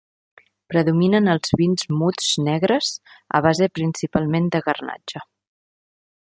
Predominen els vins muts negres a base principalment de garnatxa.